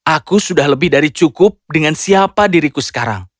aku sudah lebih dari cukup dengan siapa diriku sekarang